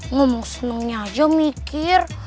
ngomong senengnya aja mikir